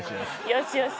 よしよし。